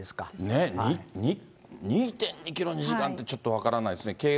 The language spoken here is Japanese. ね、２．２キロを２時間ってちょっと分からないですね。